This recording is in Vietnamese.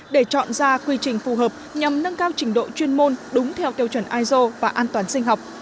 để chọn ra quy trình phù hợp nhằm nâng cao trình độ chuyên môn đúng theo tiêu chuẩn iso và an toàn sinh học